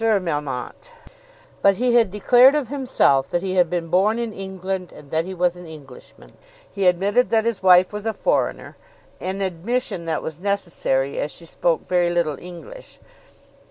Melmotte. But he had declared of himself that he had been born in England, and that he was an Englishman. He admitted that his wife was a foreigner, an admission that was necessary as she spoke very little English.